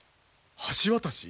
橋渡し？